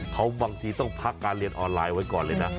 เขาบางทีต้องพักการเรียนออนไลน์ไว้ก่อนเลยนะ